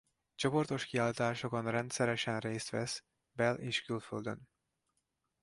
Csoportos kiállításokon rendszeresen részt vesz bel- és külföldön.